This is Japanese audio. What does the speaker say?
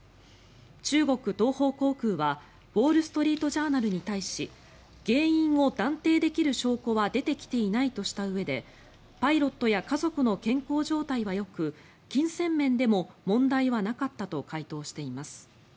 中国東方航空はウォール・ストリート・ジャーナルに対し原因を断定できる証拠は出てきていないとしたうえでパイロットや家族の健康状態はよく金銭面でも問題はなかったと回答しています。